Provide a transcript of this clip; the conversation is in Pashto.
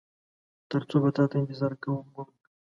تر څو به تاته انتظار کوو مونږ؟